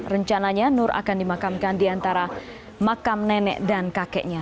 rencananya nur akan dimakamkan di antara makam nenek dan kakeknya